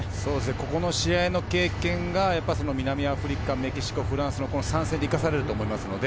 この試合の経験が南アフリカ、メキシコ、フランスの３戦で生かされると思います。